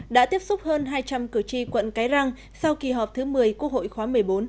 đã tiếp xúc hơn hai trăm linh cử tri quận cái răng sau kỳ họp thứ một mươi quốc hội khóa một mươi bốn